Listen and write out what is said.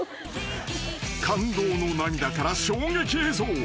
［感動の涙から衝撃映像］